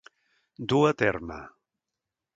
Dur a terme.